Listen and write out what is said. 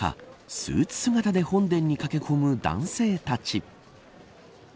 スーツ姿で本殿に駆け込む男性たち。